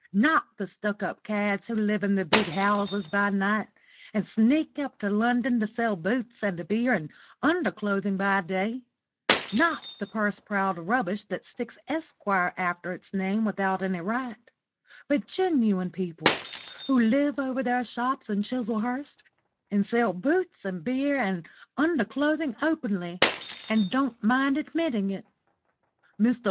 Not the stuck up cads who live in the big houses by night and sneak up to London to sell boots and beer and underclothing by day; not the purse proud rubbish that sticks 'Esquire' after its name without any right; but genuine people, who live over their shops in Chislehurst, and sell boots and beer and underclothing openly, and don't mind admitting it. Mr.